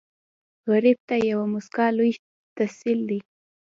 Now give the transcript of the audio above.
غریب ته یوه موسکا لوی تسل دی